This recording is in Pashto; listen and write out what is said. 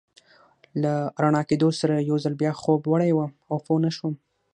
له رڼا کېدو سره یو ځل بیا خوب وړی وم او پوه نه شوم.